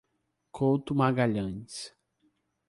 Couto Magalhães